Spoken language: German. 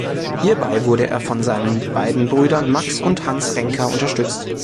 Hierbei wurde er von seinen beiden Brüdern Max und Hans Renker unterstützt.